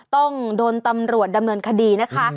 ต้องโดนตำรวจดำเนินคดีนะคะ